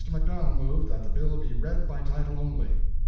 McDonald moved that the bill be read by title only.